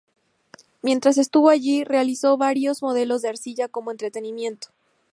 Mientras estuvo ahí, realizó varios modelos de arcilla como entretenimiento.